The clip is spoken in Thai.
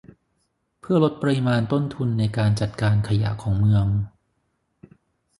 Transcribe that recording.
เพื่อลดปริมาณต้นทุนในการจัดการขยะของเมือง